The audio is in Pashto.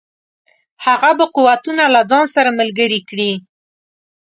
هغه به قوتونه له ځان سره ملګري کړي.